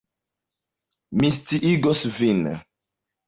Mi sciigos vin.